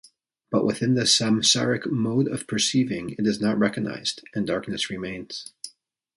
But within the samsaric mode of perceiving, it is not recognised, and darkness remains.